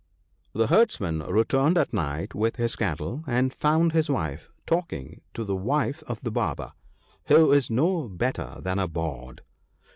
The herdsman returned at night with his cattle, and found his wife talking with the wife of the Barber, who is no better than a bawd.